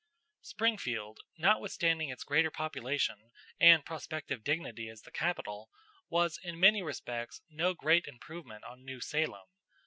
Springfield, notwithstanding its greater population and prospective dignity as the capital, was in many respects no great improvement on New Salem.